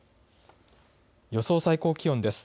予想最高気温です。